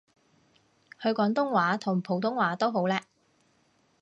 佢廣東話同普通話都好叻